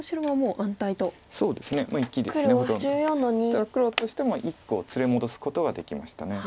ただ黒としても１個連れ戻すことができました。